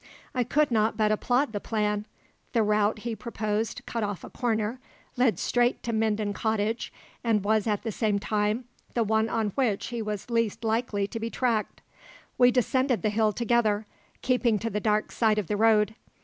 I could not but applaud the plan. The route he proposed cut off a corner, led straight to Minden Cottage, and was at the same time the one on which he was least likely to be tracked. We descended the hill together, keeping to the dark side of the road.